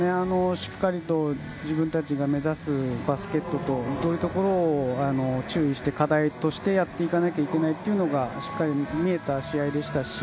しっかりと自分たちが目指すバスケットとどういうところを注意して課題としてやっていかなきゃいけないかがしっかりと見えた試合でしたし。